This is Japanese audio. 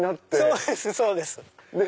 そうですそうです。